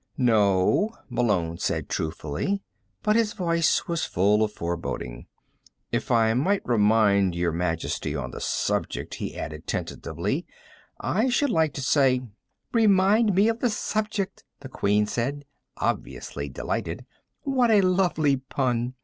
"No," Malone said truthfully, but his voice was full of foreboding. "If I might remind Your Majesty of the subject," he added tentatively, "I should like to say " "Remind me of the subject!" the Queen said, obviously delighted. "What a lovely pun!